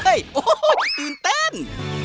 โอ้โหตื่นเต้น